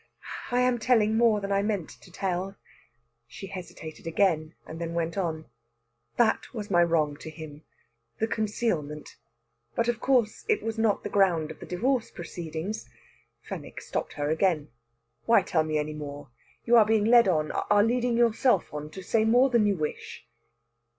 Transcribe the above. I am telling more than I meant to tell." She hesitated again, and then went on. "That was my wrong to him the concealment. But, of course, it was not the ground of the divorce proceedings." Fenwick stopped her again. "Why tell me any more? You are being led on are leading yourself on to say more than you wish."